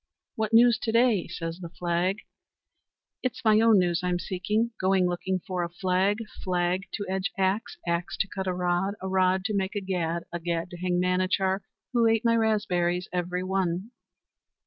"What news to day?" says the flag. "It's my own news I'm seeking. Going looking for a flag, flag to edge axe, axe to cut a rod, a rod to make a gad, a gad to hang Manachar, who ate my raspberries every one."